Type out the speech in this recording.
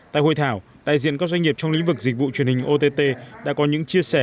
tại hội thảo đại diện các doanh nghiệp trong lĩnh vực dịch vụ truyền hình ott đã có những chia sẻ